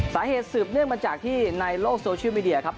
สืบเนื่องมาจากที่ในโลกโซเชียลมีเดียครับ